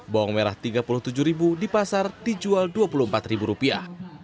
bawang merah tiga puluh tujuh ribu di pasar dijual dua puluh empat ribu rupiah